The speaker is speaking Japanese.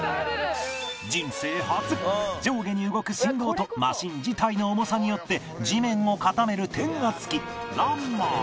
人生初上下に動く振動とマシン自体の重さによって地面を固める転圧機ランマー